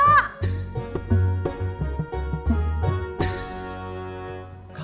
bunga jangan ke anchors